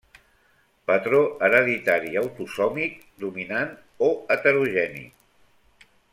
Patró hereditari autosòmic dominant o heterogeni.